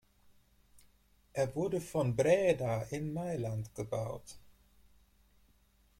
Er wurde von Breda in Mailand gebaut.